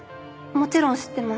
もちろん知ってます。